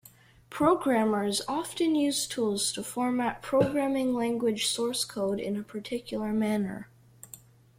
Programmers often use tools to format programming language source code in a particular manner.